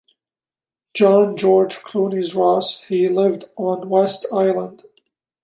John George Clunies-Ross he lived on West Island.